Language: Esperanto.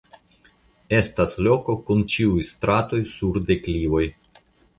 Estas loko kun ĉiuj stratoj sur deklivoj.